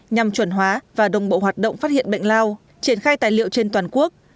nhằm chuẩn hóa và đồng bộ hoạt động phát hiện bệnh lao triển khai tài liệu trên toàn quốc